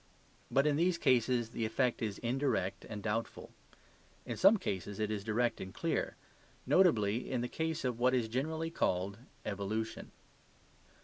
But in these cases the effect is indirect and doubtful. In some cases it is direct and clear; notably in the case of what is generally called evolution.